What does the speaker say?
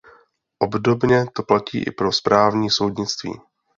Obdobně to platí i pro správní soudnictví.